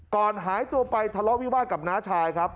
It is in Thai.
หายตัวไปทะเลาะวิวาสกับน้าชายครับ